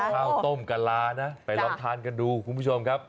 ข้าวต้มกะลานะไปลองทานกันดูคุณผู้ชมครับ